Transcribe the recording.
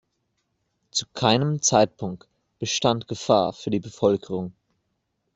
Zu keinem Zeitpunkt bestand Gefahr für die Bevölkerung.